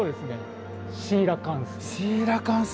シーラカンス。